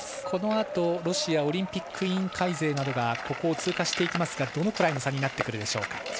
このあとロシアオリンピック委員会勢などここを通過していきますがどのくらいの差になってくるか。